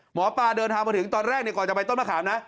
หมอปลาเดินทางมาถึงตอนแรกก่อนจะไปต้นมะขามนะ